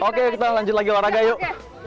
oke kita lanjut lagi olahraga yuk